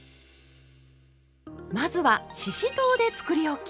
まずはししとうでつくりおき！